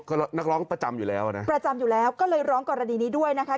ก็นักร้องประจำอยู่แล้วนะประจำอยู่แล้วก็เลยร้องกรณีนี้ด้วยนะคะ